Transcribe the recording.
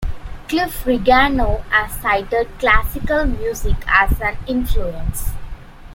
Cliff Rigano has cited classical music as an influence.